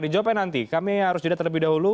dijawabkan nanti kami harus jeda terlebih dahulu